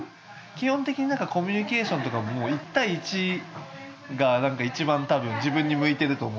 基本的になんかコミュニケーションとかも１対１がなんか一番多分自分に向いていると思っていて。